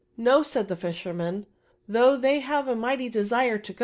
" No," said the fisher man, ^' though they have a mighty desire to.